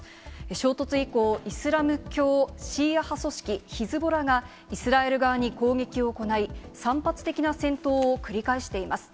衝突以降、イスラム教シーア派組織ヒズボラが、イスラエル側に攻撃を行い、散発的な戦闘を繰り返しています。